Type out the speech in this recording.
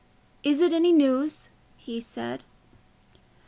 "Is it any news?" he said.